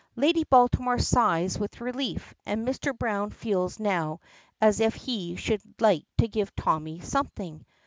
Lady Baltimore sighs with relief, and Mr. Browne feels now as if he should like to give Tommy something.